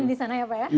eken di sana ya pak ya